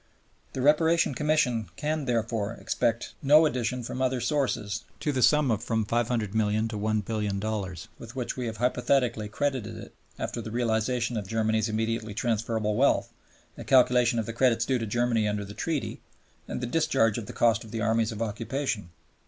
The Reparation Commission can, therefore, expect no addition from other sources to the sum of from $500,000,000 to $1,000,000,000 with which we have hypothetically credited it after the realization of Germany's immediately transferable wealth, the calculation of the credits due to Germany under the Treaty, and the discharge of the cost of the Armies of Occupation.